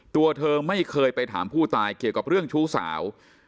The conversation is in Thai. ตัวเธอไม่เคยไปถามผู้ตายเกี่ยวกับเรื่องชู้สาว